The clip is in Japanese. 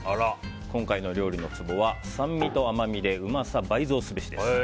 今回の料理のツボは酸味と甘みでうまさ倍増すべしです。